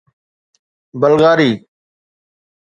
بلغاري